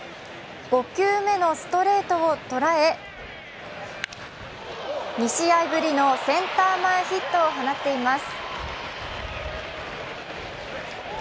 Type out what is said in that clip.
５球目のストレートを捉え２試合ぶりのセンター前ヒットを放っています。